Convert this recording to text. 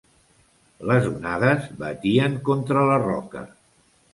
Les onades batien contra la roca.